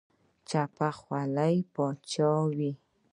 چپه خوله باچاهي وي.